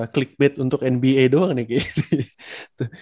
clickbait untuk nba doang nih kayaknya